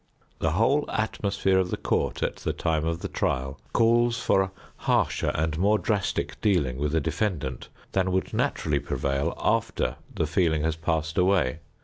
The whole atmosphere of the court at the time of the trial calls for a harsher and more drastic dealing with a defendant than would naturally prevail after the feeling has passed away.